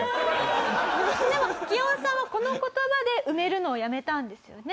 でもギオンさんはこの言葉で埋めるのをやめたんですよね？